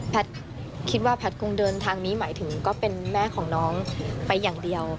คิดว่าแพทย์คงเดินทางนี้หมายถึงก็เป็นแม่ของน้องไปอย่างเดียว